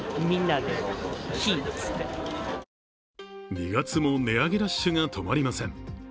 ２月も値上げラッシュが止まりません。